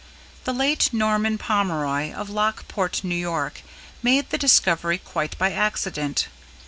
The late Norman Pomeroy of Lockport, New York, made the discovery quite by accident.